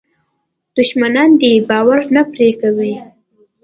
دښمنان دې باور نه پرې کوي.